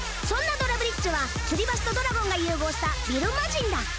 そんなドラブリッジはつり橋とドラゴンが融合した「ビルマジン」だ！